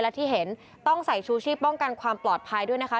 และที่เห็นต้องใส่ชูชีพป้องกันความปลอดภัยด้วยนะคะ